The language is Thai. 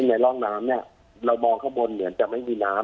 ในร่องน้ำเนี่ยเรามองข้างบนเหมือนจะไม่มีน้ำ